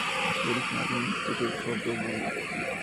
Dirigen allí un Instituto de Sordomudos.